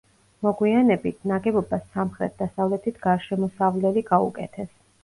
მოგვიანებით, ნაგებობას სამხრეთ-დასავლეთით გარშემოსავლელი გაუკეთეს.